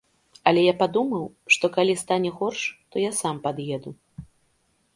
Але я падумаў, што калі стане горш, то я сам пад'еду.